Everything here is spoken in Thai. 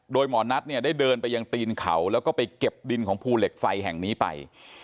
โดยหมอนัทเนี่ยได้เดินไปยังตีนเขาแล้วก็ไปเก็บดินของภูเหล็กไฟแห่งนี้ไป